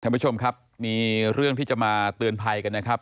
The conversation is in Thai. ท่านผู้ชมครับมีเรื่องที่จะมาเตือนภัยกันนะครับ